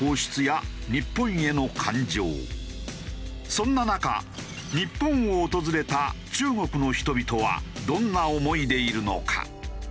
そんな中日本を訪れた中国の人々はどんな思いでいるのか？